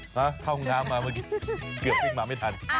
ห้ะเข้าง้ำเกือบมาไม่ทัน